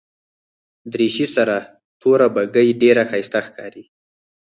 دریشي سره توره بګۍ ډېره ښایسته ښکاري.